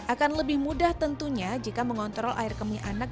akan lebih mudah tentunya jika mengontrol air kemih anak